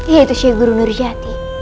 yaitu syekh guru nurjati